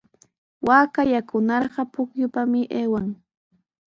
Waaka yakunarqa pukyupami aywan.